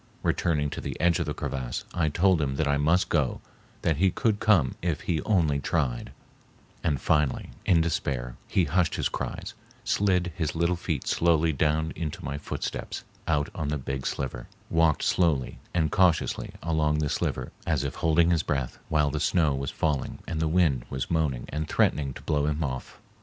Returning to the edge of the crevasse, I told him that I must go, that he could come if he only tried, and finally in despair he hushed his cries, slid his little feet slowly down into my footsteps out on the big sliver, walked slowly and cautiously along the sliver as if holding his breath, while the snow was falling and the wind was moaning and threatening to blow him off.